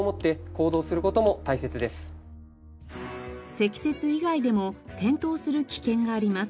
積雪以外でも転倒する危険があります。